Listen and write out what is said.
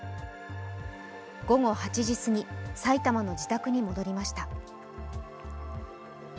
午後８時すぎ埼玉の自宅に戻りました。